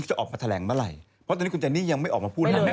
เป็นอย่างไรเพราะว่าถ้ายภูมิบุญ